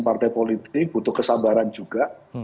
partai politik butuh kesabaran juga